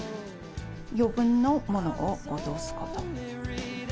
余分のものを落とすこと。